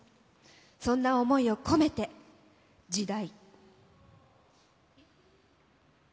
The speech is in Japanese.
そんな想いを込めて、『時代』。